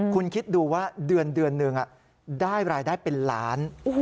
คุณคิดดูว่าเดือนหนึ่งได้รายได้เป็นล้าน